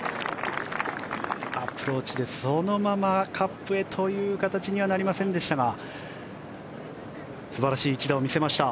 アプローチでそのままカップへという形にはなりませんでしたが素晴らしい一打を見せました。